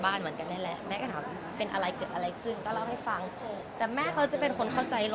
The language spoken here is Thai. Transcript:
บ้านแม่ก็เนี่ยแหละเป็นอะไรอะไรอีกก็เล่าให้ฟังแต่แม่เขาจะเป็นคน